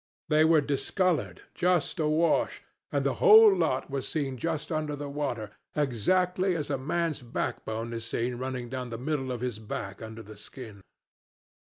They were discolored, just awash, and the whole lot was seen just under the water, exactly as a man's backbone is seen running down the middle of his back under the skin.